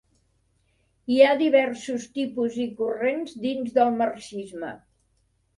Hi ha diversos tipus i corrents dins del marxisme.